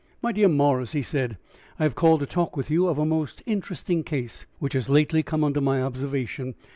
"My dear Morris," he said, "I have called to talk with you of a most interesting case, which has lately come under my observation.